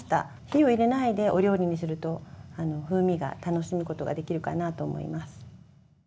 火を入れないでお料理にすると風味が楽しむことができるかなと思います。